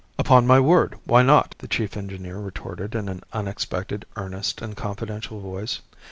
"Upon my word, and why not?" the chief engineer retorted in an unexpectedly earnest and confidential voice.